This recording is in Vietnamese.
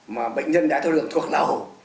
mà bệnh nhân đáy thao đường thuộc lầu